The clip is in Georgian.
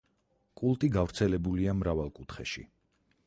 კულტი გავრცელებულია მრავალ კუთხეში.